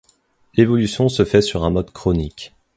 L'évolution se fait sur un mode chronique.